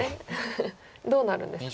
どうなるんですか？